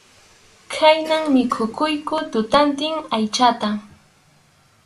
Khayna mikhuykunku tutantin aychata.